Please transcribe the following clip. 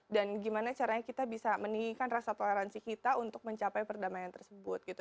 dan gimana caranya kita bisa meninggikan rasa toleransi kita untuk mencapai perdamaian tersebut gitu